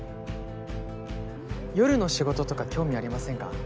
夜の仕事とか興味ありませんか？